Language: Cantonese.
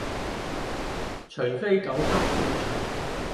除非狗急跳墻